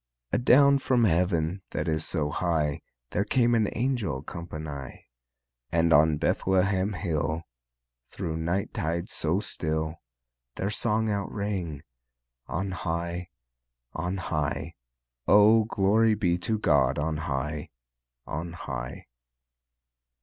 A'down from Heav'n that is so high There came an angel companye, And on Bethlehem hill Thro' the night tide so still Their song out rang: On high, On high, O glory be to God on high, On high!